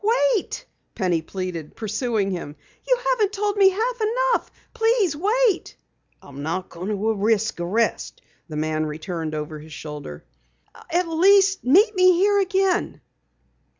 "Wait!" Penny pleaded, pursuing him. "You haven't told me half enough. Please wait!" "I'm not going to risk arrest," the man returned over his shoulder. "At least meet me here again!"